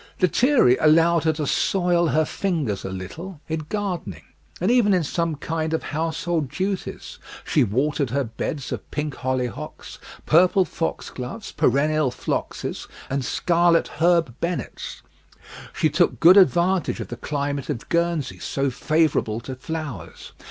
Lethierry allowed her to soil her fingers a little in gardening, and even in some kind of household duties: she watered her beds of pink hollyhocks, purple foxgloves, perennial phloxes, and scarlet herb bennets. She took good advantage of the climate of Guernsey, so favourable to flowers.